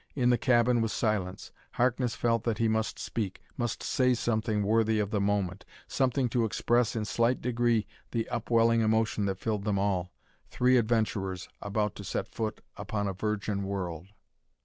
In the cabin was silence. Harkness felt that he must speak, must say something worthy of the moment something to express in slight degree the upwelling emotion that filled them all, three adventurers about to set foot upon a virgin world....